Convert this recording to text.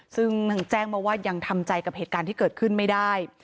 ซึ่งแจ้งมาว่ายังทำใจกับเหตุการณ์ที่เกิดขึ้นไม่ได้